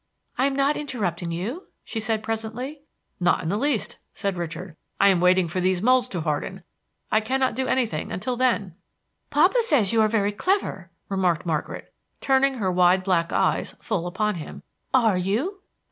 "I am not interrupting you?" she asked presently. "Not in the least," said Richard. "I am waiting for these molds to harden. I cannot do anything until then." "Papa says you are very clever," remarked Margaret, turning her wide black eyes full upon him. "Are you?"